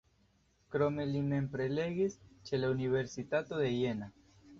Krome li mem prelegis ĉe la Universitato de Jena.